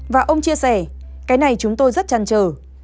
và ông chia sẻ cái này chúng tôi rất chăn trở